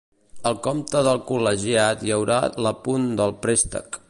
Al compte del col·legiat hi haurà l'apunt del préstec.